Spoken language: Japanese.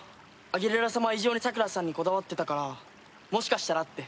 アギレラ様は異常にさくらさんにこだわってたからもしかしたらって。